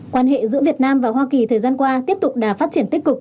quan hệ giữa việt nam và hoa kỳ thời gian qua tiếp tục đà phát triển tích cực